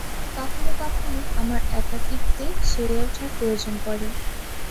কখনো-কখনো আমার একাকীত্বে সেরে ওঠার প্রয়োজন পড়ে।